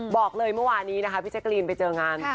บอกเลยเมื่อวานี้นะคะพี่แจกรีนไปเจองาน